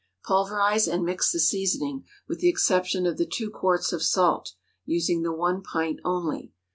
Pulverize and mix the seasoning, with the exception of the two quarts of salt, using the one pint only.